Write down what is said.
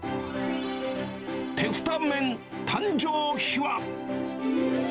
テフタンメン誕生秘話。